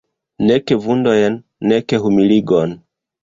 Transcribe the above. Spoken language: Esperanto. Nek vundojn, nek humiligon.